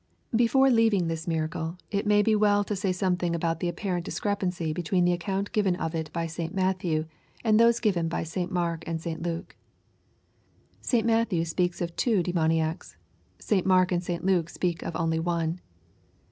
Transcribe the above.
LUKE, csAP. vni. 278 Btfore leaving this miracle it may be weU to say something about the apparent discrepancy between the account given of it by St. Matthew, and those given by St Mark and SL Luke. St. Matthew speaks of two demoniacs. St. Mark and St. Luke speak of only one.